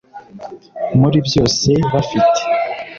muri byose bafite